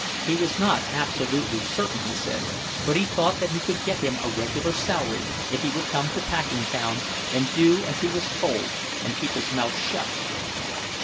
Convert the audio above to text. He was not absolutely certain, he said, but he thought that he could get him a regular salary if he would come to Packingtown and do as he was told, and keep his mouth shut.